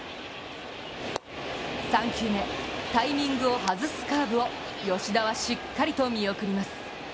３球目、タイミングを外すカーブを吉田はしっかりと見送ります。